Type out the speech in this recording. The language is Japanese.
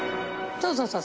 そうそうそう。